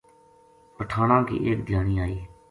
پٹھاناں کی ایک دھیانی ائی